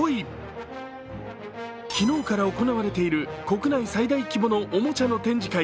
昨日から行われている国内最大規模のおもちゃの展示会